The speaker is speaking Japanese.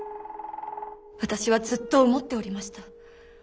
私はずっと思っておりました。